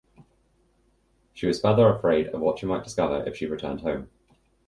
She was further afraid of what she might discover if she returned home.